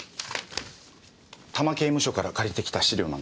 多摩刑務所から借りてきた資料なんですけどね。